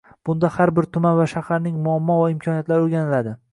Bunda har bir tuman va shaharning muammo va imkoniyatlari o‘rganiladi.